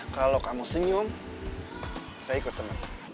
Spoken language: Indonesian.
kalau kamu senyum saya ikut senang